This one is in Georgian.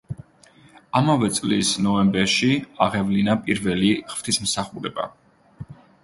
ამავე წლის ნოემბერში აღევლინა პირველი ღვთისმსახურება.